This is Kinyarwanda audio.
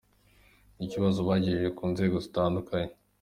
Ni ikibazo bagejeje ku nzego zitandukanye.